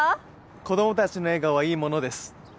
子どもたちの笑顔はいいものです。